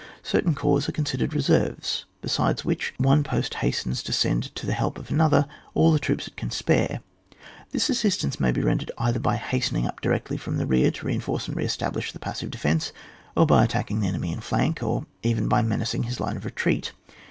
•Certain corps are considered reserves ; besides which, one post hastens to send to the help of another all the' troops it can spare. This assistance may be rendered either by hastening up di rectly from the rear to reinforce and re establish the passive defence, or by attacking the enemy in flank, or even by menacing his line of retreat.